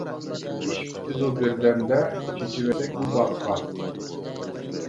ئىش پۈتىدۇ بىردەمدە، چېچىۋەتسەك بۇ باغقا.